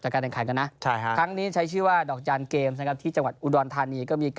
เข้าในจักรแผนขันกันครับ